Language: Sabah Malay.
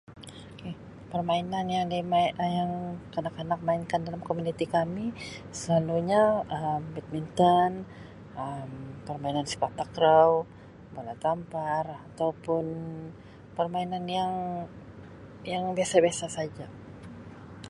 K permainan yang dimain Um yang kanak-kanak mainkan dalam komuniti kami selalunya Um badminton Um permainan sepak takraw, bola tampar ataupun permainan yang yang biasa-biasa saja.